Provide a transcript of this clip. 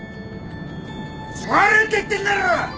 座れって言ってんだろ！